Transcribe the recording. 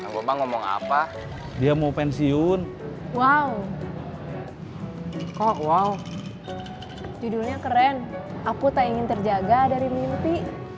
bapak ngomong apa dia mau pensiun wow kok wow judulnya keren aku tak ingin terjaga dari mimpi aku mau pensiun wow kok wow judulnya keren aku tak ingin terjaga dari mimpi